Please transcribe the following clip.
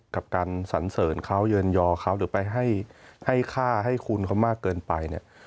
กับการสันเสริญเขาเยินยอเขาหรือไปให้ค่าให้คุณเขามากเกินไปเนี่ย